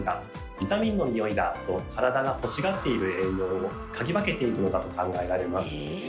「ビタミンの匂いだ！」と体が欲しがっている栄養を嗅ぎ分けているのだと考えられます。